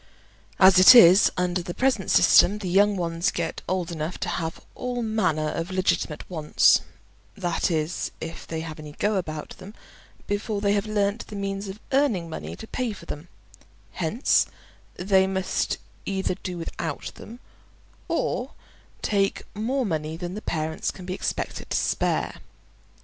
As it is, under the present system, the young ones get old enough to have all manner of legitimate wants (that is, if they have any "go" about them) before they have learnt the means of earning money to pay for them; hence they must either do without them, or take more money than the parents can be expected to spare.